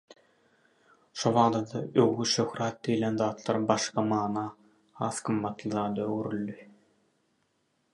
Şobada-da „öwgi“, „şöhrat“ diýilen zatlar başga mana, has gymmatly zada öwrüldi.